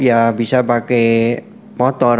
ya bisa pakai motor